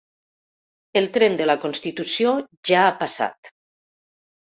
El tren de la constitució ‘ja ha passat’